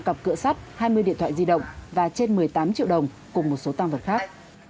cặp cửa sắt hai mươi điện thoại di động và trên một mươi tám triệu đồng cùng một số tam vật khác